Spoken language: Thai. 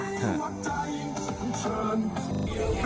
อะไรวะผมต้องเชิญ